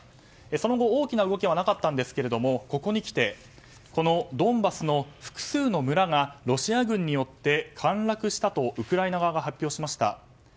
その後大きな動きはなかったんですがここにきてドンバスの複数の村がロシア軍によって陥落したとウクライナ側が発表しました。